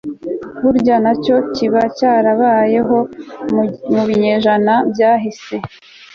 burya na cyo kiba cyarabayeho mu binyejana byahise